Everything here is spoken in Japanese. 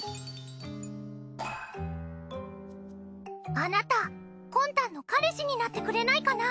あなたコンたんの彼氏になってくれないかな？